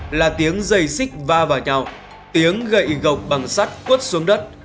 tiếp sau là tiếng dây xích va vào nhau tiếng gậy gọc bằng sắt quất xuống đất